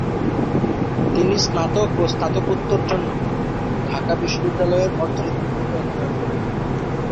তিনি স্নাতক ও স্নাতকোত্তর জন্য ঢাকা বিশ্ববিদ্যালয়ে অর্থনীতি বিভাগে অধ্যয়ন করেন।